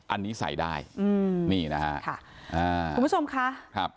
อันนี้ใส่ได้อืมนี่นะฮะค่ะอ่าคุณผู้ชมค่ะครับ